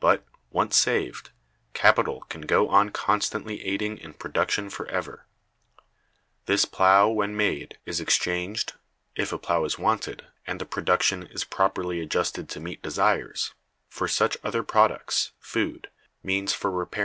But, once saved, capital can go on constantly aiding in production forever. This plow when made is exchanged (if a plow is wanted, and the production is properly adjusted to meet desires) for such other products, food, means for repairing tools, etc.